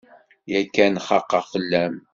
Yakan xaqeɣ fell-am.